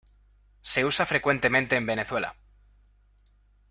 Se usa frecuentemente en Venezuela.